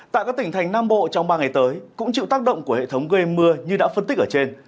tại các tỉnh thành nam bộ trong ba ngày tới cũng chịu tác động của hệ thống gây mưa như đã phân tích ở trên